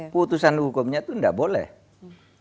putusan hukumnya itu gak boleh ditindak